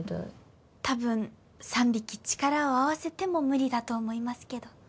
多分３匹力を合わせても無理だと思いますけど。